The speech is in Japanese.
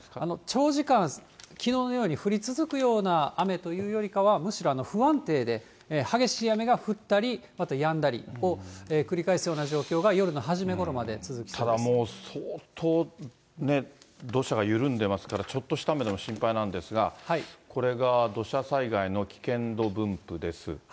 長時間、きのうのように降り続くような雨というよりかは、むしろ不安定で、激しい雨が降ったりまたやんだりを繰り返すような状況が、ただもう、相当土砂が緩んでますから、ちょっとした雨でも心配なんですが、これが土砂災害の危険度分布です。